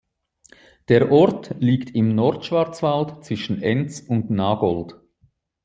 Der Ort liegt im Nordschwarzwald zwischen Enz und Nagold.